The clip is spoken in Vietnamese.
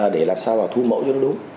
để làm sao thu mẫu cho đúng